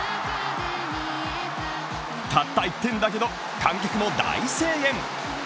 たった１点だけど観客も大声援。